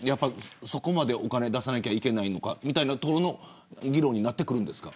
そこまでお金を出さなければいけないのかという議論になってくるんですか。